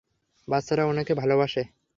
বাচ্চারা উনাকে ভালোবাসে!